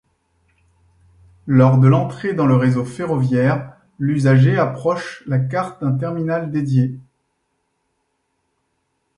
Lors de l'entrée dans le réseau ferroviaire, l'usager approche la carte d'un terminal dédié.